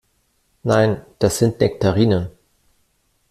Nein, das sind Nektarinen.